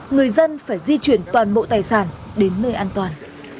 người dân phải di chuyển toàn bộ tài sản đến nơi an toàn